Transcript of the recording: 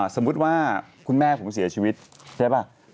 สมมุติว่าคุณแม่ผมเสียชีวิตใช่ป่ะ